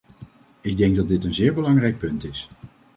Ik denk dat dit een zeer belangrijk punt is.